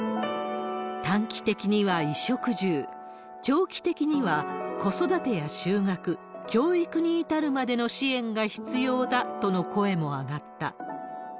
短期的には衣食住、長期的には子育てや就学、教育に至るまでの支援が必要だとの声も上がった。